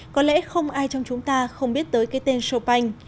có lẽ không ai trong chúng ta không biết tới cái tên chopin